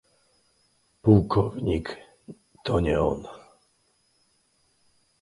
"Pułkownik, to nie on!..."